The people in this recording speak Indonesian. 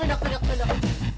tunduk tunduk tunduk